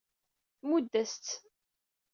Tmudd-as-tt.